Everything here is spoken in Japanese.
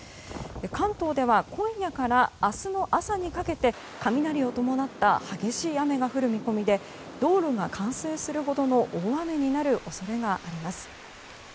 関東では今夜から明日の朝にかけて雷を伴った激しい雨が降る見込みで道路が冠水するほどの大雨になる恐れがあります。